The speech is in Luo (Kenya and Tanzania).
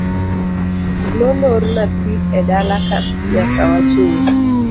Nolorna pi edalaka nyaka wachul.